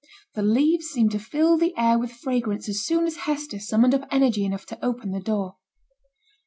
The leaves seemed to fill the air with fragrance as soon as Hester summoned up energy enough to open the door.